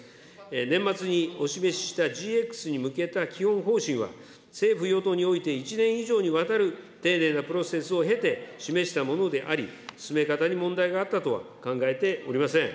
年末にお示ししたＧＸに向けた基本方針は、政府・与党において、１年以上にわたる丁寧なプロセスを経て、示したものであり、進め方に問題があったとは考えておりません。